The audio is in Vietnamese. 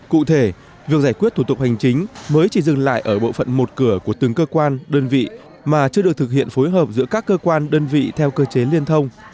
cụ thể việc giải quyết thủ tục hành chính mới chỉ dừng lại ở bộ phận một cửa của từng cơ quan đơn vị mà chưa được thực hiện phối hợp giữa các cơ quan đơn vị theo cơ chế liên thông